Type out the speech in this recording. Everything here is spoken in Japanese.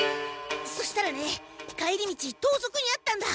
そしたらね帰り道とうぞくにあったんだ！